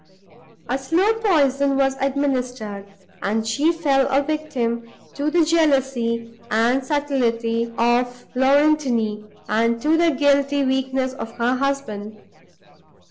A slow poison was administered, and she fell a victim to the jealousy and subtlety of Laurentini and to the guilty weakness of her husband.